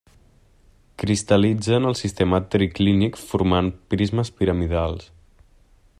Cristal·litza en el sistema triclínic formant prismes piramidals.